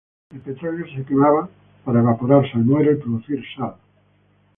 El petróleo se quemaba para evaporar salmuera y producir sal.